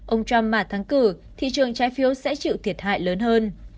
ông trump mà thắng cử thị trường trái phiếu sẽ chịu thiệt hại lớn hơn